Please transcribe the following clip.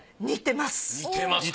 似てます。